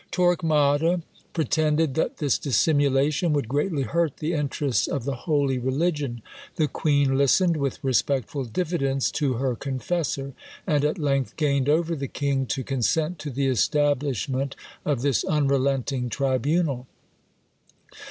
Torquemada pretended that this dissimulation would greatly hurt the interests of the holy religion. The queen listened with respectful diffidence to her confessor; and at length gained over the king to consent to the establishment of this unrelenting tribunal.